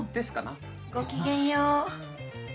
・ごきげんよう。